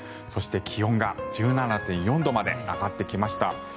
そして、気温が１７．４度まで上がってきました。